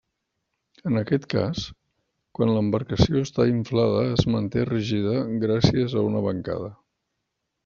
En aquest cas, quan l'embarcació està inflada es manté rígida gràcies a una bancada.